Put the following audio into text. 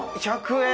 １００円。